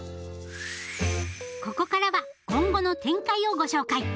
ここからは今後の展開をご紹介！